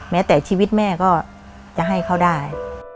แม้แต่ชีวิตแม่ก็จะให้เขาได้